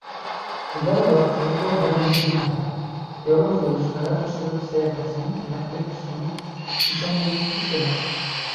Әгәр улар ҡыҙыҡлы бер ни һөйләһә, географ белешмәләр төшөрөп сәйәхәтсенең әҙәпле кешеме икәнлеген тикшерә.